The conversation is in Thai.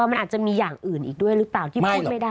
มันอาจจะมีอย่างอื่นอีกด้วยหรือเปล่าที่พูดไม่ได้